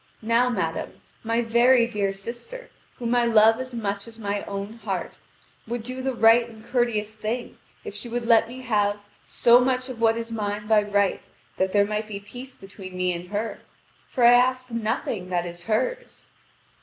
Now, madame, my very dear sister, whom I love as much as my own heart, would do the right and courteous thing if she would let me have so much of what is mine by right that there might be peace between me and her; for I ask for nothing that is hers."